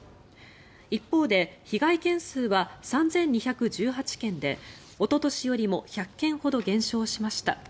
一方で被害件数は３２１８件でおととしよりも１００件ほど減少しました。